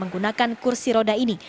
menggunakan kursi roda ini